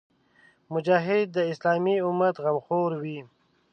مجاهد د اسلامي امت غمخور وي.